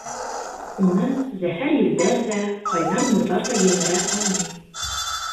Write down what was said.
Уны зәһәр елдәр ҙә, ҡайнар нурҙар ҙа емерә алмай.